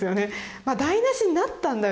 「まあ台なしになったんだよ。